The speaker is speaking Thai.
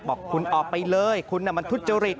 บอกคุณออกไปเลยคุณมันทุจริต